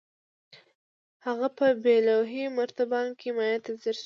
هغه په بې لوحې مرتبان کې مايع ته ځير شو.